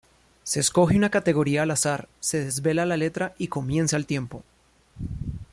Se escoge una categoría al azar, se desvela la letra y comienza el tiempo.